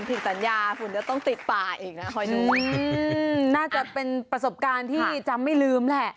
ผิดสัญญาฝุ่นเดี๋ยวต้องติดป่าอีกนะคอยดูน่าจะเป็นประสบการณ์ที่จำไม่ลืมแหละ